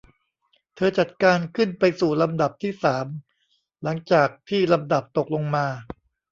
เธอจัดการขึ้นไปสู่ลำดับที่สามหลังจากที่ลำดับตกลงมา